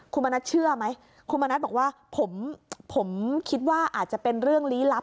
คุณมณัฐเชื่อไหมคุณมณัฐบอกว่าผมคิดว่าอาจจะเป็นเรื่องลี้ลับ